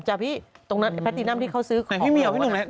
จ้าพี่พาตินัมที่เขาซื้อของเรา